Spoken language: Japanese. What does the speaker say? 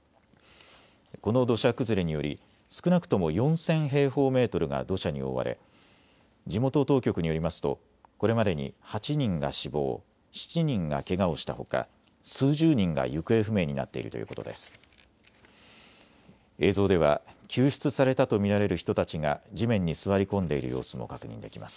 この土砂崩れにより少なくとも４０００平方メートルが土砂に覆われ地元当局によりますとこれまでに８人が死亡、７人がけがをしたほか数十人が行方不明になっているということです。